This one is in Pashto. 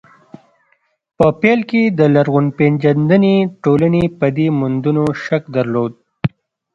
په پيل کې د لرغونپېژندنې ټولنې په دې موندنو شک درلود.